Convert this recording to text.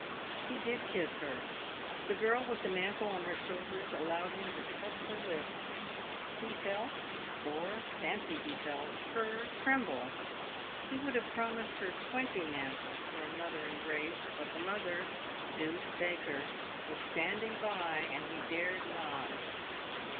He did kiss her. The girl with the mantle on her shoulders allowed him to touch her lips. He felt, or fancied he felt, her trem ble. He would have promised her twenty mantles for another em brace, but the mother — deuce take her — was standing by, and he dared not.